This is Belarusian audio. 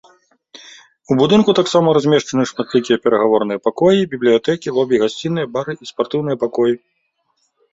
У будынку таксама размешчаны шматлікія перагаворныя пакоі, бібліятэкі, лобі, гасціныя, бары і спартыўныя пакоі.